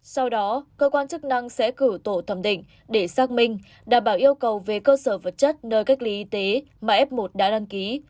sau đó cơ quan chức năng sẽ cử tổ thẩm định để xác minh đảm bảo yêu cầu về cơ sở vật chất nơi cách ly y tế mà f một đã đăng ký